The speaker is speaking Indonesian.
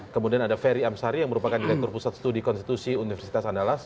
kemudian ada ferry amsari yang merupakan direktur pusat studi konstitusi universitas andalas